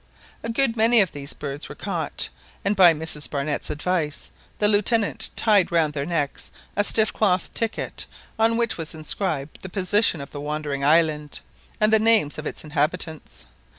A good many of these birds were caught; and by Mrs Barnett's advice the Lieutenant tied round their necks a stiff cloth ticket, on which was inscribed the position of the wandering island, and the names of its inhabitants.